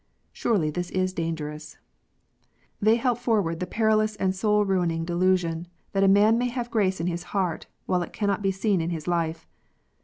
Surely this is dangerous ! They help forward the perilous and soul ruining delusion that a man may have grace in his heart, while it cannot be seen in his life.